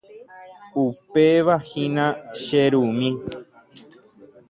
Upevahína che rumi.